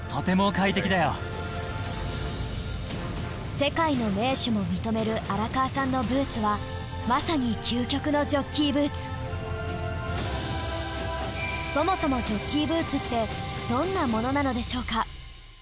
世界の名手も認める荒川さんのブーツはまさにそもそもジョッキーブーツってどんなものなのでしょうか？